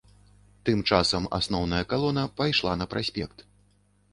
Тым часам асноўная калона пайшла на праспект.